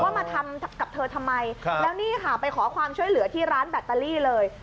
มาทำกับเธอทำไมแล้วนี่ค่ะไปขอความช่วยเหลือที่ร้านแบตเตอรี่เลย